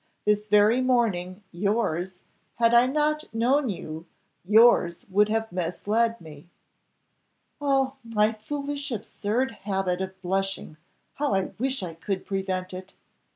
This very morning, yours, had I not known you, yours would have misled me." "Oh, my foolish absurd habit of blushing, how I wish I could prevent it!"